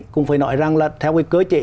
cũng phải nói rằng là theo cái cơ chế